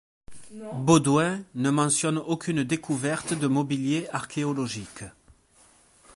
Baudouin ne mentionne aucune découverte de mobilier archéologique.